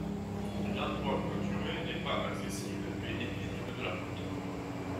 L’endroit clôturé n’est pas accessible mais est visible de la route.